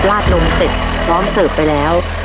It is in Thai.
ลาดนมเสร็จพร้อมเสิร์ฟไปแล้ว